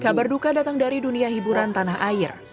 kabar duka datang dari dunia hiburan tanah air